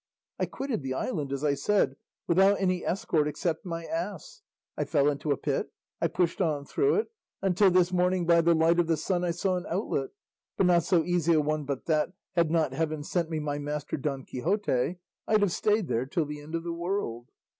I quitted the island, as I said, without any escort except my ass; I fell into a pit, I pushed on through it, until this morning by the light of the sun I saw an outlet, but not so easy a one but that, had not heaven sent me my master Don Quixote, I'd have stayed there till the end of the world.